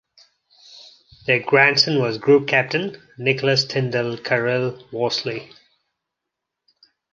Their grandson was Group Captain Nicolas Tindal-Carill-Worsley.